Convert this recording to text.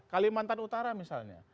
kalimantan utara misalnya